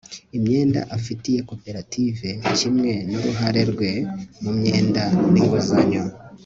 imyenda afitiye koperative, kimwe n'uruhare rwe mu myenda n'inguzanyo